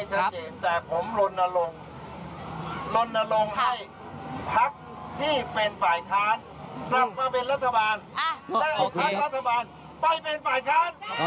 จะลดนาลมการเลือกตั้งแล้ว